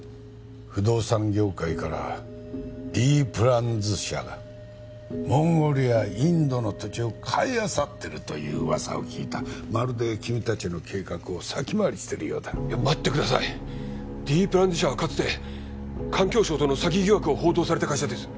不動産業界からＤプランズ社がモンゴルやインドの土地を買いあさってるという噂を聞いたまるで君達の計画を先回りしてるようだ待ってくださいＤプランズ社はかつて環境省との詐欺疑惑を報道された会社です